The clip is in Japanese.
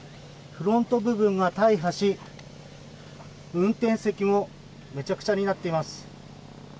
フロント部分は大破し、運転席もめちゃくちゃになっています。